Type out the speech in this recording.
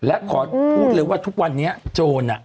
และขอพูดเลยว่าทุกวันนี้โจร